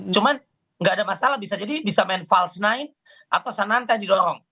cuman gak ada masalah bisa jadi bisa main false nine atau sananta yang didorong